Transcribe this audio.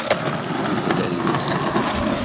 Mdel adlis-im.